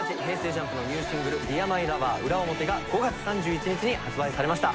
ＪＵＭＰのニューシングル『ＤＥＡＲＭＹＬＯＶＥＲ／ウラオモテ』が５月３１日に発売されました。